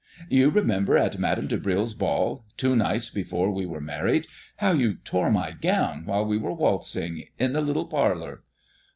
You remember at Madame de Brill's ball, two nights before we were married, how you tore my gown while we were waltzing in the little parlor?"